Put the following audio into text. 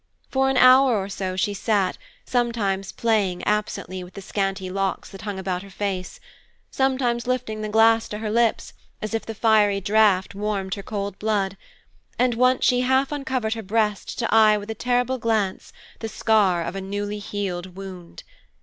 For an hour she sat so, sometimes playing absently with the scanty locks that hung about her face, sometimes lifting the glass to her lips as if the fiery draught warmed her cold blood; and once she half uncovered her breast to eye with a terrible glance the scar of a newly healed wound.